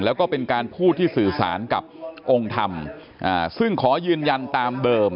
แล้วก็เป็นการพูดที่สื่อสารกับองค์ธรรมซึ่งขอยืนยันตามเดิม